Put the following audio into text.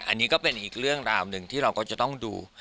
อันนี้ก็เป็นอีกเรื่องราวหนึ่งที่เราก็จะต้องดู